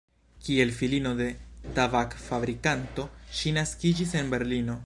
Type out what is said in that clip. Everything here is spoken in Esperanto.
Kiel filino de tabak-fabrikanto ŝi naskiĝis en Berlino.